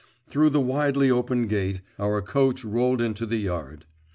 Through the widely open gate, our coach rolled into the yard.